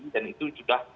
dan itu juga